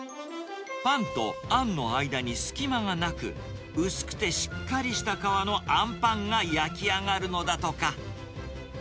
パンとあんの間に隙間がなく、薄くてしっかりした皮のあんぱんが焼き上がるのだとか。